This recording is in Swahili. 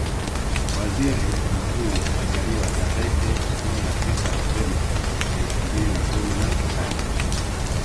Waziri Mkuu Majaliwa tarehe kumi na tisa Novemba elfu mbili na kumi na tano